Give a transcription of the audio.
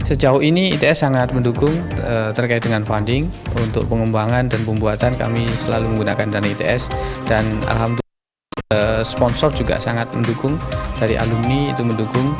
sejauh ini its sangat mendukung terkait dengan funding untuk pengembangan dan pembuatan kami selalu menggunakan dana its dan alhamdulillah sponsor juga sangat mendukung dari alumni itu mendukung